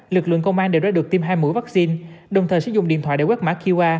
lực lượng công an đều ra được tiêm hai mũi vaccine đồng thời sử dụng điện thoại để quét mã qr